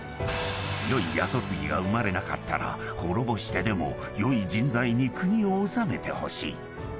［良い跡継ぎが生まれなかったら滅ぼしてでも良い人材に国を治めてほしい］